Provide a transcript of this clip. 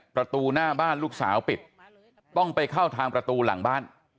ประตูหน้าบ้านลูกสาวปิดต้องไปเข้าทางประตูหลังบ้าน